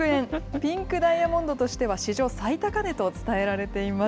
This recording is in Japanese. ピンクダイヤモンドとしては、史上最高値と伝えられています。